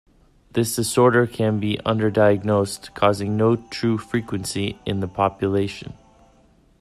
This disorder can be underdiagnosed causing no true frequency in the population.